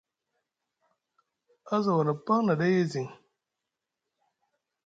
A za wala paŋ na ɗay e ziŋ.